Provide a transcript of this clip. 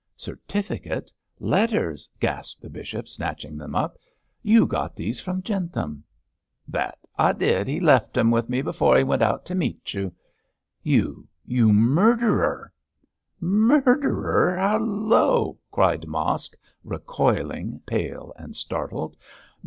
'Certificate! letters!' gasped the bishop, snatching them up. 'You got these from Jentham.' 'That I did; he left them with me afore he went out to meet you.' 'You you murderer!' 'Murderer! Halloa!' cried Mosk, recoiling, pale and startled.